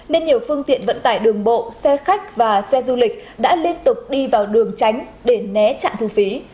nên nhiều phương tiện vận tải đường bộ xe khách và xe du lịch đã liên tục đi vào đường tránh để né trạm thu phí